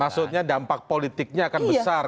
maksudnya dampak politiknya akan besar